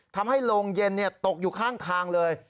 โรงเย็นตกอยู่ข้างทางเลย